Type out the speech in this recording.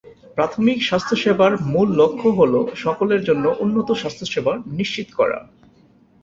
প্রাথমিক স্বাস্থ্যসেবার মূল লক্ষ্য হলো সকলের জন্য উন্নত স্বাস্থ্যসেবা নিশ্চিত করা।